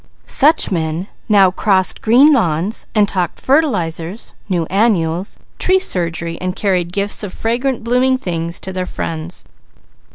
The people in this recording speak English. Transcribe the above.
Such men now crossed green lawns and talked fertilizers, new annuals, tree surgery, and carried gifts of fragrant, blooming things to their friends.